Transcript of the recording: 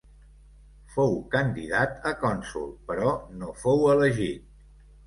Fou candidat a cònsol però no fou elegit.